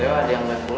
ada yang berpula